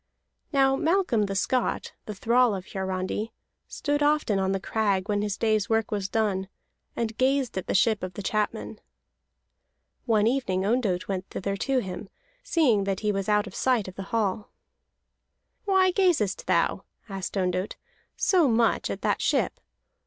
Now Malcolm the Scot, the thrall of Hiarandi, stood often on the crag when his day's work was done, and gazed at the ship of the chapmen. One evening Ondott went thither to him, seeing that he was out of sight of the hall. "Why gazest thou," asked Ondott, "so much at the ship?